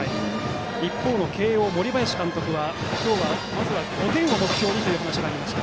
一方の慶応、森林監督は今日、まずは５点を目標にという話がありました。